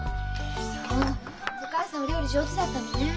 そうお母さんお料理上手だったのね。